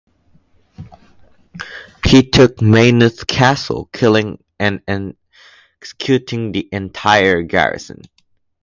He took Maynooth Castle, killing and executing the entire garrison.